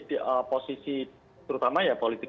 di posisi terutama ya politik